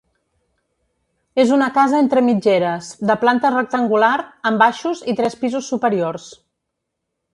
És una casa entre mitgeres, de planta rectangular, amb baixos i tres pisos superiors.